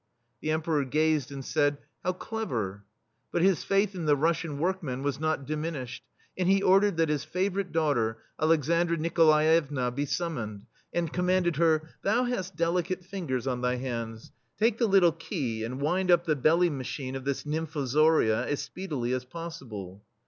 The Emperor gazed and said: " How clever!" but his faith in the Russian workmen was not diminished, and he ordered that his favorite daughter, Alex andra Nikolaevna, be summoned, and commanded her: "Thou hast delicate fingers on thy hands — take the little key and wind up the belly machine of this nymfozoria as speedily as possible."